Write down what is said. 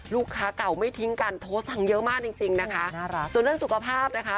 ลูกค้าเก่าไม่ทิ้งกันโทสังเยอะมากจริงนะคะส่วนเรื่องสุขภาพนะคะ